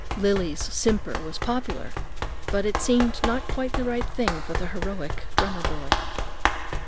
Lily's simper was popular, but it seemed not quite the right thing for the heroic drummer boy.